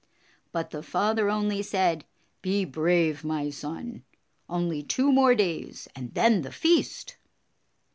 But the father only said, "Be brave, my son. Only two more days, and then the feast."